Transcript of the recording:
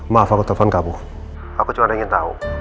maaf aku telpon kamu aku cuma ingin tahu